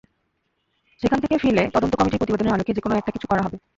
সেখান থেকে ফিরলে তদন্ত কমিটির প্রতিবেদনের আলোকে যেকোনো একটা কিছু করা হবে।